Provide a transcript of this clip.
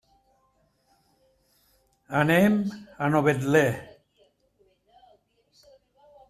Anem a Novetlè.